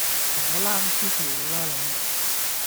同我躝屍趌路啦你